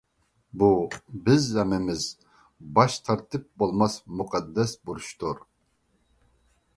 بۇ بىز ھەممىمىز باش تارتىپ بولماس مۇقەددەس بۇرچتۇر.